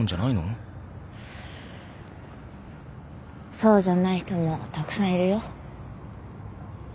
そうじゃない人もたくさんいるよ。